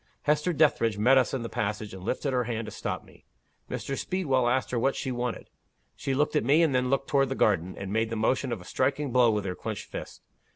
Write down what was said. Hester Dethridge met us in the passage, and lifted her hand to stop me. Mr. Speedwell asked her what she wanted. She looked at me, and then looked toward the garden, and made the motion of striking a blow with her clenched fist.